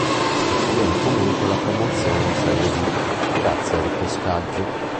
Ottiene comunque la promozione in Serie D grazie al ripescaggio.